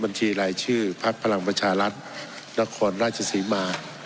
บัญชีรายชื่อพักพลังประชารัฐนครราชศรีมา